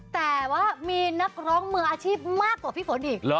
แต่ว่ามีนักร้องมืออาชีพมากกว่าพี่ฝนอีก